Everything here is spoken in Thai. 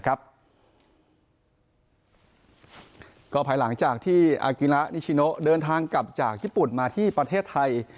ก็ภายหลังจากที่อากิระนิชิโนเดินทางกลับจากญี่ปุ่นมาที่ประเทศไทย